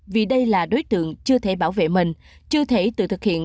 vì đây là đối tượng chưa thể bảo vệ mình chưa thể tự thực hiện